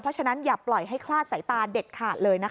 เพราะฉะนั้นอย่าปล่อยให้คลาดสายตาเด็ดขาดเลยนะคะ